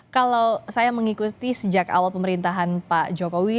kalau saya mengikuti sejak awal pemerintahan pak jokowi